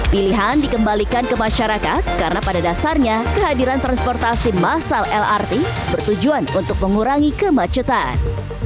pilihan dikembalikan ke masyarakat karena pada dasarnya kehadiran transportasi massal lrt bertujuan untuk mengurangi kemacetan